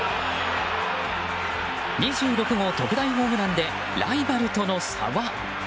２６号特大ホームランでライバルとの差は？